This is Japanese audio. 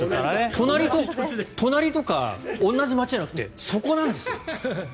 隣とか同じ街じゃなくてそこなんですよ。